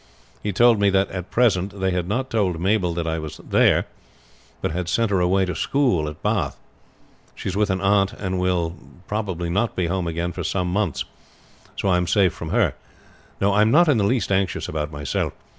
He told me that at present they had not told Mabel that I was there, but had sent her away to school at Bath. She is with an aunt, and will not be home again for some months; so I am safe from her. No, I am not in the least anxious about myself.